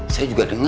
saya juga denger